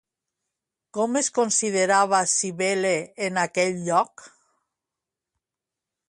Com es considerava Cíbele en aquell lloc?